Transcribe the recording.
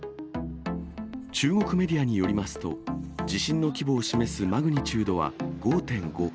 中国メディアによりますと、地震の規模を示すマグニチュードは５．５。